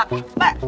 eh tidak mbak